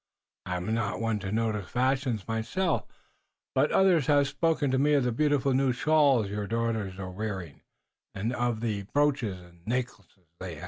I am not one to notice fashions myself, but others haf spoken to me of the beautiful new shawls your daughters are wearing und of the brooches und necklaces they haf."